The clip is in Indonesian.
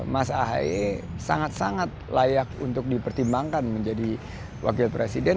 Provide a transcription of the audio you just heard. mas ahaye sangat sangat layak untuk dipertimbangkan menjadi wakil presiden